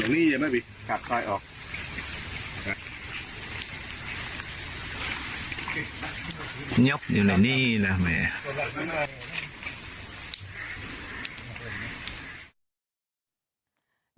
นยกอยู่ในนี่แหละเม